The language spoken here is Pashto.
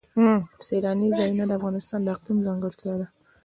سیلانی ځایونه د افغانستان د اقلیم ځانګړتیا ده.